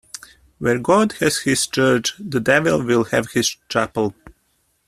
Where God has his church, the devil will have his chapel.